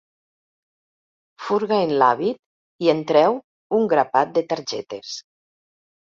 Furga en l'hàbit i en treu un grapat de targetes.